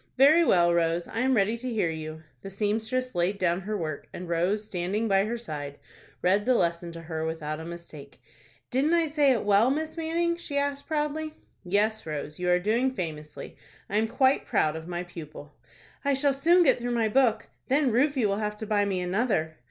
"Very well, Rose, I am ready to hear you." The seamstress laid down her work, and Rose standing by her side, read the lesson to her without a mistake. "Didn't I say it well, Miss Manning?" she asked, proudly. "Yes, Rose, you are doing famously; I am quite proud of my pupil." "I shall soon get through my book. Then Rufie will have to buy me another."